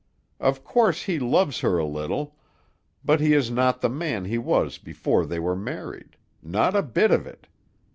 Of course he loves her a little, but he is not the man he was before they were married not a bit of it.